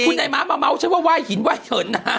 พี่ถุนัยมาสมาเมาฉันว่าไหว้หินไหว้เหินนะ